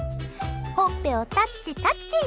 ほっぺをタッチ、タッチ。